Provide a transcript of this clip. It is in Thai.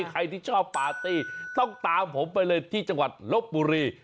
ใครที่ชอบปาร์ตี้ต้องตามผมไปเลยที่จังหวัดลบบุรี